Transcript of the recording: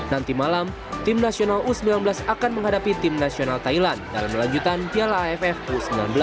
nanti malam tim nasional u sembilan belas akan menghadapi tim nasional thailand dalam melanjutan piala aff u sembilan belas